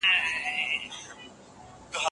که تاریخ د ایډیالوژۍ له مخې ولوستل سي نو زیان رسوي.